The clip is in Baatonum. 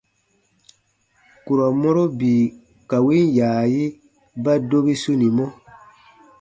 Kurɔ mɔro bii ka win yaayi ba dobi sunimɔ.